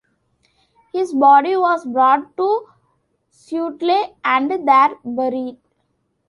His body was brought to Sudeley and there buried.